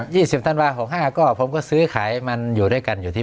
สิบธันวาหกห้าก็ผมก็ซื้อขายมันอยู่ด้วยกันอยู่ที่